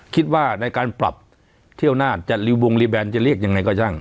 คิดว่าในการปรับเที่ยวนาฏชั่นลีววงริแบรนด์จะเรียกยังไงก็จัง